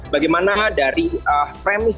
bagaimana dari premis